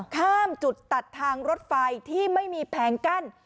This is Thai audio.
ข้ามจุดตัดทางรถไฟที่ไม่มีแผงกั้น